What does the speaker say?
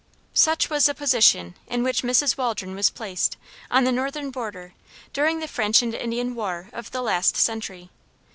Such was the position in which Mrs. Waldron was placed, on the northern border, during the French and Indian war of the last century.